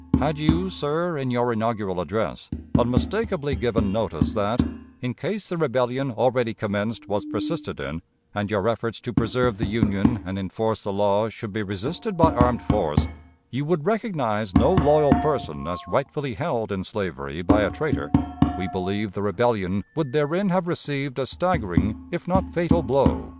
Had you, sir, in your inaugural address, unmistakably given notice that, in case the rebellion already commenced was persisted in, and your efforts to preserve the Union and enforce the laws should be resisted by armed force, you would recognize no loyal person as rightfully held in slavery by a traitor, we believe the rebellion would therein have received a staggering if not fatal blow."